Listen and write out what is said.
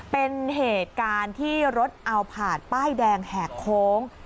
เป็นเหตุการณ์ที่รถเอาผาดป้ายแดงแหกโค้ง